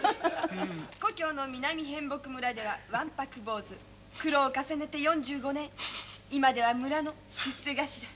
「故郷の南へんぼく村ではわんぱく坊主苦労を重ねて４５年今では村の出世頭。